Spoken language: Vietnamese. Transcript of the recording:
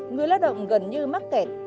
người lao động gần như mắc kẹt